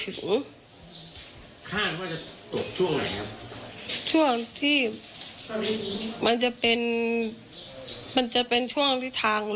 ตกลงไปจากรถไฟได้ยังไงสอบถามแล้วแต่ลูกชายก็ยังเล็กมากอะ